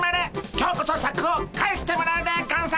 今日こそシャクを返してもらうでゴンス！